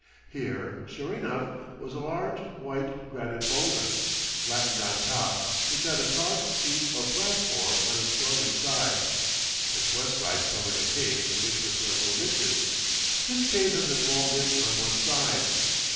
Here, sure enough, was a large, white granite boulder, flattened on top, which had a carved seat or platform on its northern side. Its west side covered a cave in which were several niches. This cave had been walled in on one side.